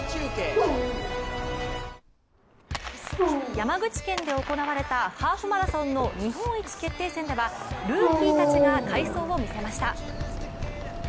山口県で行われたハーフマラソンの日本一決定戦ではルーキーたちが快走を見せました。